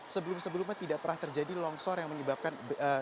sebelum sebelumnya tidak pernah terjadi longsor yang menyebabkan